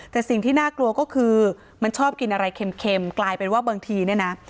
แต่สิ่งที่น่ากลัวก็คือมันชอบกินอะไรเค็มกลายเป็นว่าบางทีเนี่ยนะ